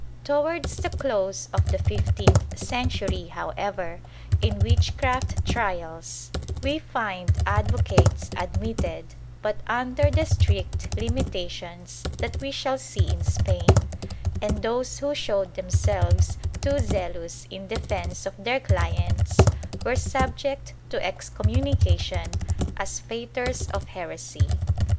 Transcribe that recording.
^ Towards the close of the fifteenth century, however, in witchcraft trials, we find advocates admitted, but under the strict limitations that we shall see in Spain, and those who showed themselves too zealous in defence of their clients were subject to excommunication as fautors of heresy.'